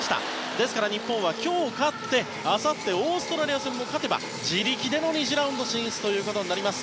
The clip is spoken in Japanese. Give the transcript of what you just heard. ですから日本は今日、勝ってあさってのオーストラリア戦も勝てば自力での２次ラウンド進出となります。